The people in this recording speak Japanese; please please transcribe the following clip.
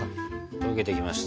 溶けてきました。